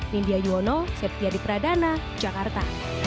nindya yuwono septya di pradana jakarta